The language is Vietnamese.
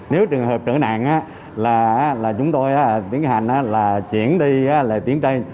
nếu trường hợp trở nạn là chúng tôi tiến hành là chuyển đi là tiến trây